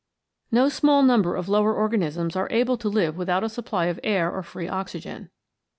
No small number of lower organisms are able to live without a supply of air or free oxygen.